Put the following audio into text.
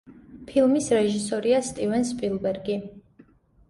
ფილმის რეჟისორია სტივენ სპილბერგი.